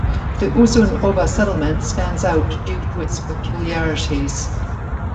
The Uzun oba settlement stands out due to its peculiarities.